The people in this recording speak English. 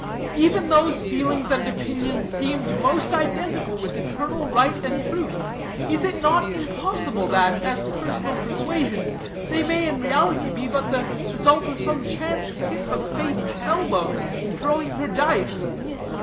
Even those feelings and opinions deemed most identical with eternal right and truth, it is not impossible but that, as personal persuasions, they may in reality be but the result of some chance tip of Fate's elbow in throwing her dice.